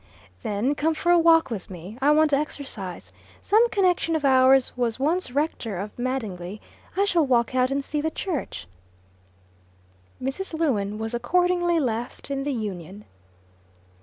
"Then come for a walk with me. I want exercise. Some connection of ours was once rector of Madingley. I shall walk out and see the church." Mrs. Lewin was accordingly left in the Union.